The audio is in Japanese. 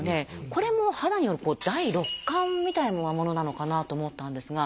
これも肌による「第六感」みたいなものなのかなと思ったんですが。